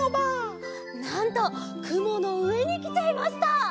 なんとくものうえにきちゃいました！